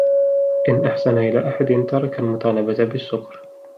إنْ أَحْسَنَ إلَى أَحَدٍ تَرَكَ الْمُطَالَبَةَ بِالشُّكْرِ